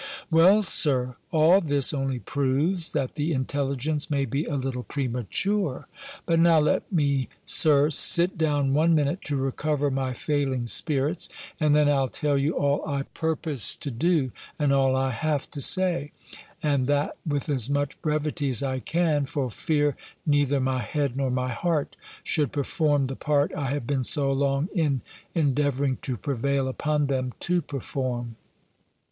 "Well, Sir, all this only proves, that the intelligence may be a little premature. But now let me, Sir, sit down one minute, to recover my failing spirits, and then I'll tell you all I purpose to do, and all I have to say, and that with as much brevity as I can, for fear neither my head nor my heart should perform the part I have been so long in endeavouring to prevail upon them to perform."